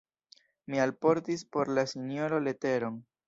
Mi alportis por la sinjoro leteron.